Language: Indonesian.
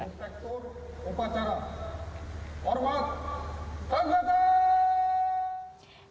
inspektur upacara orwat angkatan